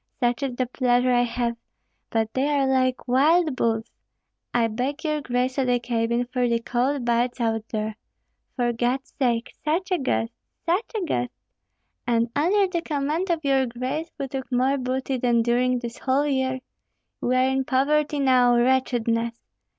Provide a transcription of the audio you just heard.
Such is the pleasure I have; but they are like wild bulls. I beg your grace to the cabin, for the cold bites out here. For God's sake! such a guest, such a guest! And under the command of your grace we took more booty than during this whole year. We are in poverty now, wretchedness!